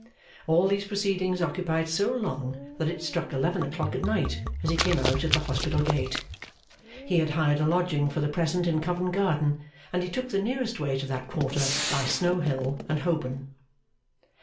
All these proceedings occupied so long that it struck eleven o'clock at night as he came out at the Hospital Gate. He had hired a lodging for the present in Covent Garden, and he took the nearest way to that quarter, by Snow Hill and Holborn.